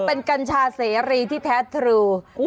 เป็นกัญชาเสรีที่แท้ทรู